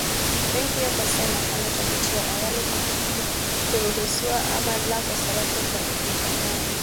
Benki hiyo kwa sasa inafanya utafiti wa awali kufahamu kuruhusiwa ama la kwa sarafu za kimtandao.